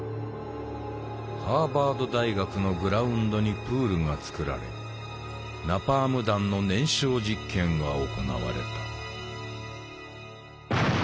ハーバード大学のグラウンドにプールがつくられナパーム弾の燃焼実験が行われた。